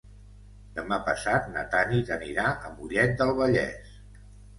Demà passat na Tanit anirà a Mollet del Vallès.